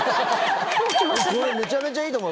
めちゃくちゃいいと思う。